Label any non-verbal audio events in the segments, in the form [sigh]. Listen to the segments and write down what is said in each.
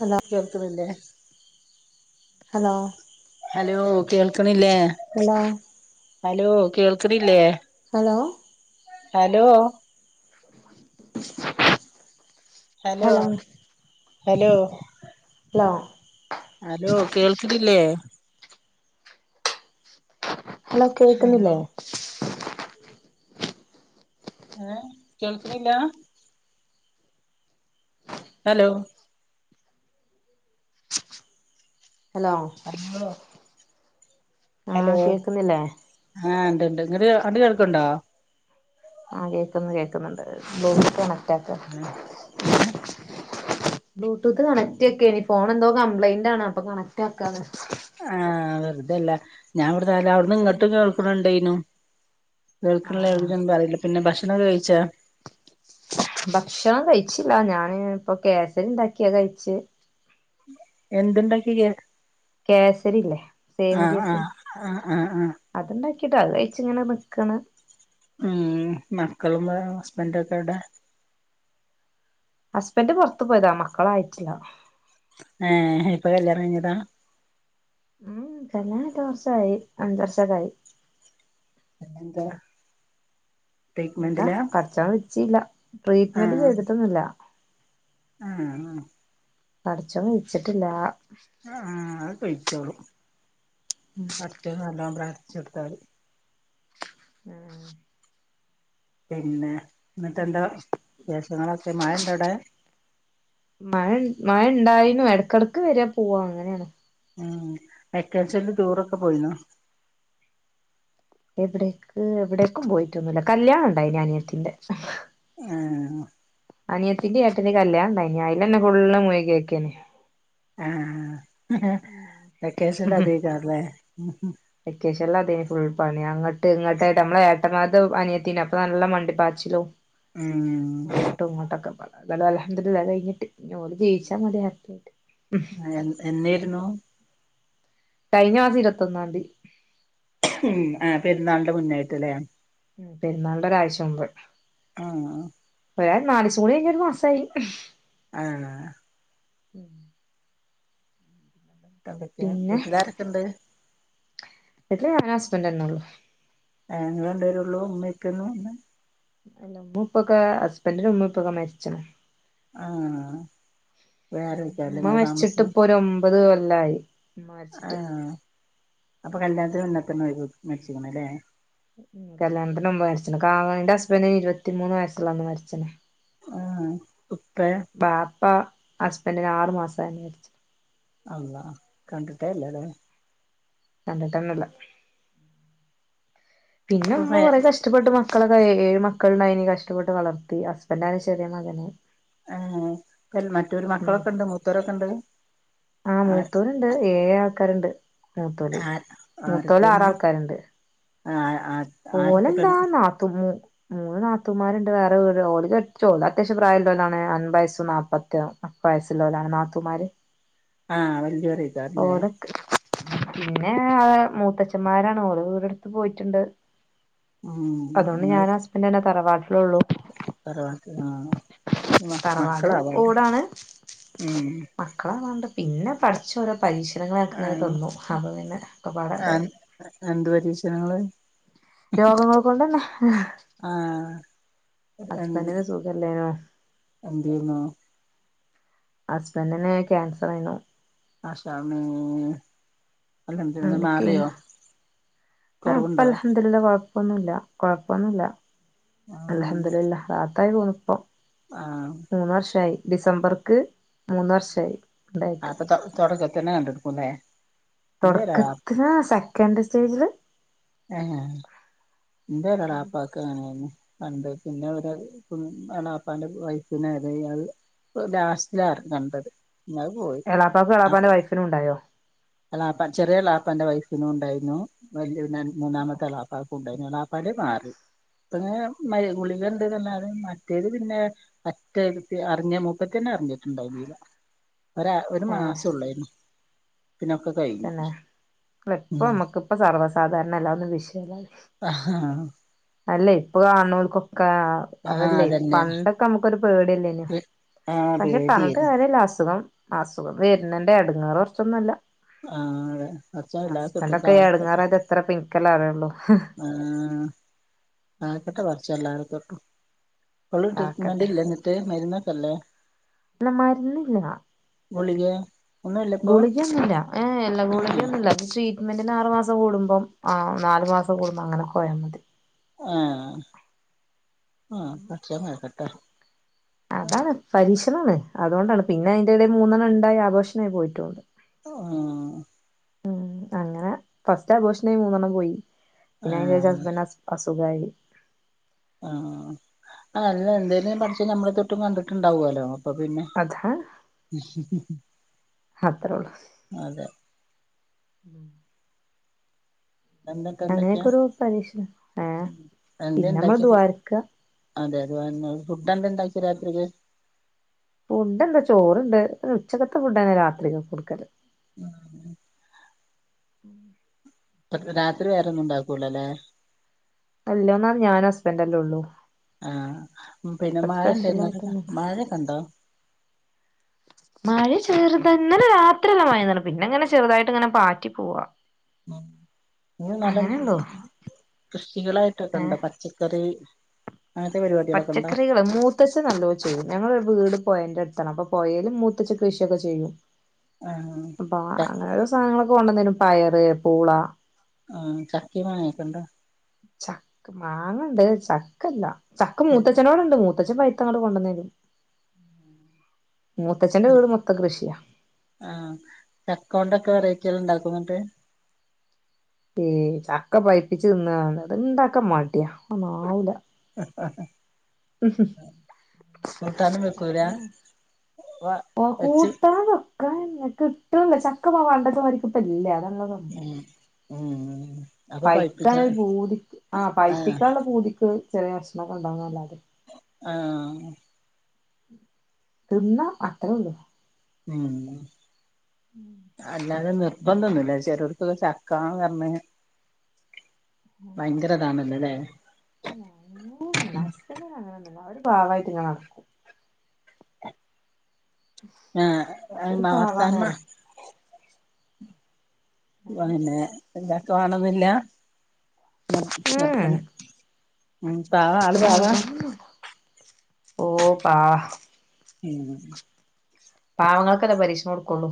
Hello കേൾക്നില്ലേ hello hello കേൾക്ണില്ലേ hello hello കേൾക്ണില്ലേ hello hello hello hello hello hello കേൾക്ണില്ലേ [inaudible] ഹലോ ഹലോ കേൾക്ന്ല്ലേ ഏഹ് കേൾക്ണില്ലാ അലോ ഹലോ അയ്യോ ഹലോ ആഹ് കേക്കുന്നില്ലേ ആഹ് ഇന്ന്ട്ട് അങ്ങ്ട് കേൾക്ക്ണ്ടോ ആഹ് കേക്ക്ന്ന് കേക്ക്ന്ന്ണ്ട് ളൂ [unintelligible] ഏഹ് ബ്ലൂട്ടൂത് കണക്റ്റെക്കെന്നു ഫോണെന്തോ കബ്ലൈന്റാണ് അപ്പൊ കണക്റ്റാക്കാണ് ആഹ് വേർതല്ല ഞാവ്ടെ തായാലും അവ്ട്ന്ന് ഇങ്ങ്ട്ട് കേൾക്ക്ണ് ണ്ടേനു കേൾക്ക്ണിലെ ആഹ് പിന്നൊന്നു പറീല പിന്നെ ഭഷ് ഭക്ഷണം ഴിചാ ഭക്ഷണം കഴിച്ചില്ല ഞാന് പൊ കേസ്സരിണ്ടാക്കി അത് കഴിച്ച് എന്ത്ണ്ടാക്കി ഇയ്യ് കേസ്സരി ഇല്ലെ സേമി കേസ്സരി ആഹ് ആഹ് ആഹ് ആഹ് ട്ട് അത് കഴിച്ച്ങ്ങനെ നിക്കാണ് ഉം മക്കളും വാ ഹസ്ബന്റൊ ക്കെവ്ടെ ഹസ്ബന്റ് പൊർത് പോയതാ മക്കളായിറ്റില്ല ആഹ് ഇപൊ കല്യാണം കഴിഞ്ഞതാ ഉം കല്യാണം കഴിഞ്ഞിട്ട് വർഷായി അഞ്ച് വർഷൊക്കായി പിന്നെന്താ ന്താ പടച്ചോൻ വിധിച്ചീല ട്രീറ്റ്‌മെന്റ് ആഹ് ചെയ്തിട്ടൊന്നുല്ല ആഹ് പടച്ചോൻ വിധിച്ചിട്ടില്ലാ ആഹ് അതൊകെ വിധിച്ചോളും ഉം പടച്ചോൻ നല്ലോം പ്രാർ ചൊട്താല് ഉം പിന്നേ നിർ തെന്തോ വേഷങ്ങളവസ്ഥെ മഴണ്ടൊവ്ടേ നു എടക്കെടക്ക് വര പോവ അങ്ങനേണ് ഉം വെക്കേഷൻല് ടൂറൊക്കെ പോയീന്നോ എവ്ടേക്ക് എവ്ടേക്കും പോയിറ്റൊന്നുല്ല കല്യാണണ്ടായ്നു അനിയത്തിന്റെ ആഹ് അനിയത്തിന്റെ ഏട്ടന്റെ കല്യാണം ഇണ്ടായ്ന് അയിനന്നെ ഫുള്ള് മുഴുകി ഇരിക്കെർന്നു ആഹ് വേക്കഷന്ല് അതേക്കാരംലെ വെക്കേഷനിൽ അതേ ഫുൾ പണിയാ അങ്ങട്ട് ഇങ്ങട്ട് നമ്മളെ ഏട്ടന്മാരതും അനിയത്തിനെ അപ്പൊ നല്ല മണ്ടിപ്പാച്ചിലും ഉം അങ്ങട്ടുങ്ങട്ടൊക്കെ ന്തായാലും അൽഹംദുലില്ലാഹ് അത് കയ്ഞ്ഞിട്ട് ഇഞ്ഞി ഓള് ജയിച്ചാ മതിയായ്ർന്നു എന്ന് എന്നായിരുന്നു കഴിഞ്ഞ മാസം ഇരുവത്തൊന്നാന്തി ആ പെരുന്നാൾന്റെ മുന്നായ്ട്ട്ലേ പെരുന്നാൾന്റെ ഒരാഴ്ച മുൻപ് ആഹ് ദേ നാലീസം കൂടി കഴ്ഞ്ഞാ ഒരു മാസായി ആ പിന്നെ വീട്ട്ലാരൊക്കെണ്ട്‌ ല് ഹസ്ബെന്റെന്നെള്ളു ആ ങ്ങള് രണ്ട് പേരെന്നൊള്ളു ഉമ്മീം ഉപ്പയും ഒന്നുല്ല പിന്നെ മ്മുപ്പക്കെ ഹുസ്ബർന്റിന്റെ ഉമ്മേപ്പേംക്കെ മരിച്ച്ണ് ആ വേറെയിക്കല്ലേ ഇങ്ങള് താമസിക്കണേ. ല്ലായി ആ അപ്പൊ കല്യാണത്തിന്റെ മുന്നെത്തന്നെ [unintelligible] മരിച്ച്ക്ക്‌ണ്ലേ കല്യാണത്തിന്റെ മുമ്പെ മരിച്ച്ണ് കാ ന്റെ ഹസ്‌ബെന്റിനിരുപത്തിമൂന്ന് വയസ്സ്ള്ളപ്പോ മരിച്ച്ണ്. ആഹ് ഉപ്പേ ബാപ്പ ഹസ്‌ബെന്റിന് ആറ് മസായപ്പോ മരിച്ച്. അല്ലാഹ് കണ്ടിട്ടേ ഇല്ലലേ. കണ്ടിട്ട്ന്നുല്ല അപ്പൊ ഫേ പിന്നെമ്മ കൊറേ കഷ്ടപ്പെട്ട് മക്ക് ക്കളൊക്കെ ഏഴ് മക്കള് ഇണ്ടായിനി കഷ്ടപ്പെട്ട് വളർത്തി ഹസ്ബെന്റ് ആണ് ചെറ്യേ മകന് ആഹ് മറ്റോര് ഉം മക്കളൊക്കെണ്ട്‌ മൂത്തോലൊക്കെ ണ്ട്‌? ആ മൂത്തോര്ണ്ട്‌ ഏഴ് ആൾക്കാര്ണ്ട്‌ മൂത്തോര് ആര് മൂത്തോല് ആരൊക്കെയാണ് ആറാൾക്കാർ ണ്ട്‌ ആഹ് ആഹ് ആരൊക്കെ പെൺ ഓലെന്താ നാത്തൂമ് മൂന്ന് നാത്തൂമാർണ്ട്‌ വേറെ വീട് ഓലെക്കേൽപ്ച്ചോ ഒലത്യാവ്ശ്യം പ്രായല്ലോലാണ് അൻപയസ്സും നാപ്പത്തി അപ്പ [unintelligible] വയസ്സുല്ലോലാണ് നാത്തൂന്മാര് ആഹ് വല്യോന് ഓലൊക്കെ പിന്നേ മൂത്തച്ഛന്മാരാണ് ഓല് വീടെടുത്ത് പോയിറ്റുണ്ട് ഉം അതോണ്ട് ഞാനും ഹസ്ബന്റെന്നെ തറവാ ത്രൊളു തറവാട്ടിലാണോ? തറവാട് ഓടാണ്. ഉം മക്കളാ വേണ്ടെത് പിന്നെ പടച്ചോറബ് പരീക്ഷണങ്ങളെയൊക്കെ ഇങ്ങനെ ആഹ് തന്നു. അപ്പൊപ്പിന്നെ ഒക്കെപ്പാടതായി ആഹ് എന്ത് പരീക്ഷണങ്ങള്? രോഗങ്ങൾ കൊണ്ടന്നെ. ആഹ് ഹസ്ബൻഡിന് സുഖല്ലേനു എന്തെയ്യുന്നു ഹസ്ബൻഡിന് ക്യാൻസറേനു മാഷാ ആമീൻ അനക്കേനു ആ ഇപ്പൊ കൊറവുണ്ടോ അൽഹംദുലില്ലാഹ് കൊഴ ഇപ്പൊന്നുല്ല കൊഴപ്പൊന്നുല്ല ആഹ് അൽഹംദുലില്ലാഹ് റാ [unintelligible] പോന്നപ്പം ആഹ് മൂന്ന് വർഷായി. ഡിസംബർക്ക് മൂന്ന് വർഷായി ഉണ്ടായിട്ട് ആപ്പ ചെക് ചേട്ടൻ ചെക്കനേ കണ്ടുള്ളു. [inaudible] തന്നേ? തൊടക്കത്തില് സെക്കന്റ്‌ സ് റ്റേജില് ഏഹ്? ഇന്റെയൊരേളാപ്പാക്ക് അങ്ങനെയേര്ന്നു. എന്റെ ഇന്നേവരെ എളാപ്പാന്റെ വൈഫിന് അറിയ. ലാസ്റ്റിലാ അറിഞ്ഞ എന്റത്. [unintelligible] എളാപ്പാക്കും എളാപ്പാന്റെ വൈഫിനു ഇണ്ടായോ? എളാപ്പാ, ചെറിയ എളാപ്പാന്റെ വൈഫിനു ഇണ്ടായിരുന്നു, വല്യ, മൂന്നാമത്തെ എളാപ്പാക്കു ഇണ്ടാര്ന്നു. എളാപ്പാന്റെ മാറി. ഇതിങ്ങനെ മര്, ഗുളിക ഇണ്ട്ന്നന്നെയാണ്. മറ്റേത് പിന്നെ പറ്റെ അറിഞ്ഞ, മൂപ്പത്തിയന്നെ അറിഞ്ഞിട്ട്ണ്ടായിര്ന്നീല്ല. [inaudible] ഒരാ, ഒര് മാസേ ഉള്ളേനു. തന്നെ? ഇപ്പൊ ഉം നമ്മക്കിപ്പൊ സർവസ് സാധാരണയല്ലാന്ന് വിശദായി ആഹ് അല്ല ഇപ്പൊ കാൽണോൽക്കൊക് കാ, ആഹ് അതല്ല. ഈ അതന്നെ പണ്ടൊക്കെ നമ്മക്കൊരു പേടിയല്ലേനുവോ? ആഹ് പക്ഷെ പണ്ട് പേടിയായിരുന്നു പോലെയല്ല അസുഖം അസുഖം വര്ന്നതിന്റെ എടങ്ങേറ് കൊറച്ചൊന്നൊല്ല. ആഹ് പടച്ചോൻ എല്ലാർക്കും ഹസ്ബന്റൊക്കെ കാക്കട്ടെ എടങ്ങേറായത് എത്രയിപ്പിനിക്കല്ലേ അറിയു ആഹ് കാക്കട്ടെ പടച്ചോൻ എല്ലാരെ തൊ ട്ടു ഇപ്പോളും കാക്കട്ടെ ട്രീറ്റ്മെന്റ് ഇല്ലേ ന്നിട്ട് മരുന്ന് അല്ലേ ഇല്ല മരുന്നില്ലടാ ഗുളികയാ ഗുളിക ഒന്നുല്ലാ ഏ അല്ല ഗുളിക ഏഹ് ഒന്നൂല്ല്യ അത് മെന്റ്ന്റെ ആറ്മാസം കൂടുമ്പോ ആ നാല് മാസം കൂടുമ്പോ അങ്ങനെ പോയാ ഹാ ആ [unintelligible] അതാണ് പരീക്ഷ് ക്ഷണത്തിലാണ് അതോണ്ടാണ് പിന്നെ അയിന്റെ ഇടയില് മൂന്നെണ്ണം ഇണ്ടായി അബോർഷൻ ആയി പോയിക്ക്ണ് [unintelligible] മ്ം അങ്ങനെ ഫസ്റ്റ് അബോർഷനിൽ മൂന്നെണ്ണം പോയി പിന്നെ അയ്‌ന്റെഷം ആഹ് ഹസ്ബൻഡ് ഹസ് ഹസ് സുഖയി ഹാ ആ നിങ്ങൾ രണ്ടുപേരേയും പടച്ചോൻ നമ്മളെ തൊ കണ്ടിട്ട്ഇണ്ടാവാലോ ഇപ്പൊ പിന്നെ അത്രള്ളൂ അതെ [inaudible] എന്തൊക്കെ എന്തൊക്കെയാ അങ്ങനെഒക്കെയൊരു പരീക്ഷ് ആ എന്താ പിന്നെ ഇമ്മള് ഉണ്ടാക്കിയ ഫു ദുആർക്ക അതെ അത് വ [unintelligible] കുട്ടാൻന്താണ്ടാക്കിയേ രാത്രിയില് ഫുഡ് അല്ല ചോറ് ഇണ്ട് ഹാ ഉച്ചക്ക്ത്തേ ഫുഡാണ് രാത്രിലും കൊടുക്കല് [inaudible] [inaudible] പ്പം രാത്രി വേറെ ഒന്നുണ്ടാക്കൂല അല്ലേ ഒല്യോന്ന ഞാന് ഹസ്ബൻഡ്‌ അല്ലേ ഉള്ളു ഹാ പിന്നെ മഴ ഇണ്ടേരുന്നോ ആയിട്ടൊന്നുല്ല മഴഒക്കെ ഇണ്ടോ വെറുതെ ഇന്നലെ രാത്രി നല്ല മഴ പെയ്തിനു പിന്നെ ചെറുതായിട്ട് ഇങ്ങനെ പാറ്റി പോവാ [unintelligible] ലും അങ്ങനെയള്ളൂ കൃഷികളായിട്ടൊക്കെണ്ടോ പച്ചക്കറി അങ്ങനത്തെ പരിപാടികളൊക്കെ ഉണ്ടോ പച്ചക്കറികൾ മൂത്തച്ചൻ [unintelligible] ച്ചു ഞങ്ങൾ ഈ വീട് പൊഴന്റെ അടുത്താണ് അപ്പൊ പൊഴല് മൂത്തച്ഛൻ കൃഷി ഒക്കെ ചെയ്യും ആ അപ്പൊ ച ആ സാധങ്ങളൊക്കെ കൊണ്ടെന്നേരും പയറ്, പൂള ഹാ ചക്കയും മാങ്ങയൊക്കെയുണ്ടോ ചക്ക്‌ മാങ്ങ ണ്ട് ചക്ക ഇല്ല. ചക്ക മൂത്തച്ഛനോട്ണ്ട് മൂ പഷേ പൈത്തങ്ങള് കൊണ്ടന്നിനി ആ ചക്കൊണ്ടൊക്കെ വെറൈറ്റി കളുണ്ടാക്കു ട് ഏയ്‌ ചക്ക പഴുപ്പിച്ച് തിന്നാണ് ഇത്ണ്ടക്കമടിയ അതൊന്നു ആവൂല [unintelligible] കൂട്ടാനും വെക്കൂല വ ഓ വെച്ച് കൂട്ടാൻ വെക്കാൻ കിട്ടണില്ല ചക്കപ്പവേണ്ടപ്പ അവരിക്കിപ്പ ഇല്ല അതാ മ് മ് പഴുക്കാൻ പൂതിക്ക് ആ ആഹ് പഴുപ്പിക്കാനുള്ള പൂതിക്ക്. ചെറിയ കഷ്ണം കൊണ്ടോകല്ലാതെ ആഹ് തിന്നാം അത്രേള്ളൂ മ് അല്ലാതെ നിർ ഇപ്പം തിന്നൂല്ല ചേലോർക്ക്ത് ചക്കാന്നു പറ്ഞ്ഞഴിഞ്ഞാ ഭയങ്കര ഇതാണല്ലൊല്ലേ ഞാനിന്ന് ലാസ്റ്റ്ത്തെ കാണാറ്ണ്ട് എല്ലാവരും ഇപ്പ ആളായിട്ട്ങ്ങനെ നടക്കും ആ അതൊരു അഹ്ണ്ടാവും പാവാണ് പറയാ [unintelligible] ഉം [unintelligible] ചക്ക വാണംന്നില്ല [unintelligible] ഉം പാവ ആൾ പാവാ നിർബന്ധൊന്നുല്ല ഓ പാ ഉം പാവങ്ങൾക്ക് അല്ലെ പരീഷണം കൊട്ക്കൊള്ളു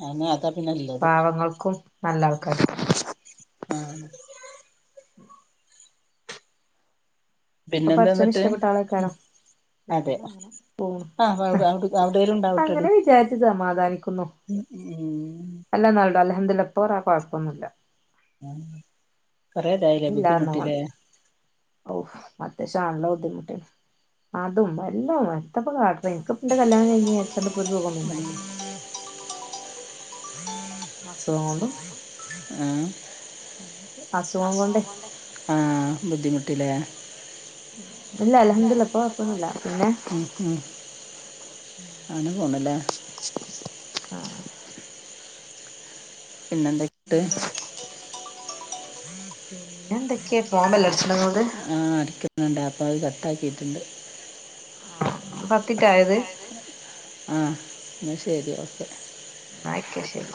അയെന്നെ അതാപ് പാവങ്ങൾക്കും നല്ല ആൾക്കാര് ഇണ്ടാവും ആ അപ്പം പടച്ചോന് പിന്നെന്താന്നിട്ട് ഇഷ്ട്ടപെട്ട ആളെയ്ക്കാരം പിന്നെ അതെ എന്താ അങ്ങനെ പോവ്ണു ആഹ് അവിടെ അവിടെ അവിടേലും അപ്പ ഉണ്ടാവട്ടെടി അങ്ങനെ വിചാരിച്ച് സമാധാനിക്കുന്നു ഉം [unintelligible] ദുലില്ലാഹ് ഇപ്പ കൊറെ കൊഴപ്പൊന്നില്ല ഞാൻ കൊറെതായിലെ ഇല്ലാന്നാ ബുദ്ധിമുട്ടിലെ? ത്യാവശം നല്ല ബുദ്ധിമുട്ടിണ് അതും എല്ലാം അങ്ങനെ എത്താപ്പം കാട്ട്ണ് ഇൻക്ക് ഇപ്പ ഇന്റെ കല്യാണം കഴിഞ്ഞ്‌യാര്ച്ച് ച്ച് ആണ്ട് ഇപ്പ ഒരു സുഖൊന്നും ഉം ഉണ്ടായിട്ട് ഇല്ല അസുഖം കൊണ്ടും ഏഹ് അസുഖം കൊണ്ടേ ആഹ് ബുദ്ധിമു [unintelligible] ഇല്ല അലഹദില്ല ഇപ്പൊ കുഴപ്പൊന്നുമില്ല പിന്നെ ഉം ഉം [unintelligible] ആ പിന്നെന്തെ പിന്നെന്തക്കെയാ ഫോൺ ബെൽ അടിച്ചണത് കൊണ്ട് [unintelligible] അപ്പ അത് കട്ടാക്കിയിട്ടുണ്ട് ആ [unintelligible] ആഹ് ന്നാ ശെരി ഒക്കെ. ന്നായ്ക്കോ ശെരി.